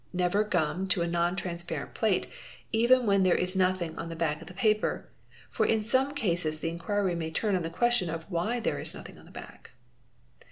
Never gum to a non — transparent plate even when there is nothing on the back of the paper — for in some cases the inquiry may turn on the question of why there is nothing on the back.